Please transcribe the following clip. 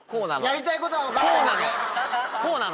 やりたいことは分かってんだよね。